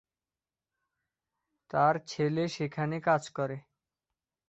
তাঁর ছেলে সেখানে কাজ করে।